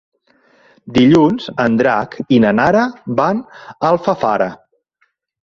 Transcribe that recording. Dilluns en Drac i na Nara van a Alfafara.